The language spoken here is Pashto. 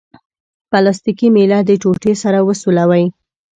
پلاستیکي میله د ټوټې سره وسولوئ.